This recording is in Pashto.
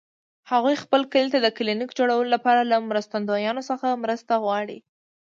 هغوی خپل کلي ته د کلینیک جوړولو لپاره له مرستندویانو څخه مرسته غواړي